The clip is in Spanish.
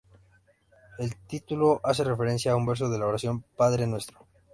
El título hace referencia a un verso de la oración "Padre nuestro".